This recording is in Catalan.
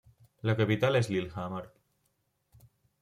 La capital és Lillehammer.